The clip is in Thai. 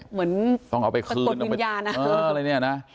เหมือนต้องเอาไปคืนเป็นกดวิญญาณเอออะไรเนี้ยนะ